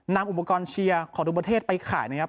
นำอุปกรณ์เชียร์ของทุกประเทศไปขายนะครับ